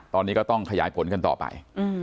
ตอนนี้ก็ต้องขยายผลกันต่อไป